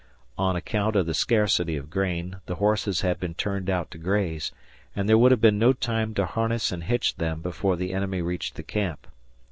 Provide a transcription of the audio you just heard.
On account of the scarcity of grain, the horses had been turned out to graze, and there would have been no time to harness and hitch them before the enemy reached the camp.